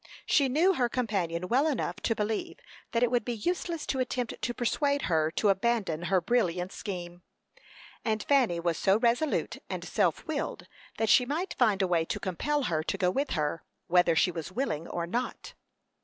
She knew her companion well enough to believe that it would be useless to attempt to persuade her to abandon her brilliant scheme; and Fanny was so resolute and self willed that she might find a way to compel her to go with her, whether she was willing or not.